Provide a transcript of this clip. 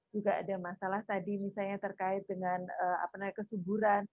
juga ada masalah tadi misalnya terkait dengan kesuburan